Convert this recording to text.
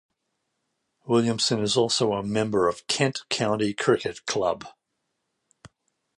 Williamson is also a member of Kent County Cricket Club.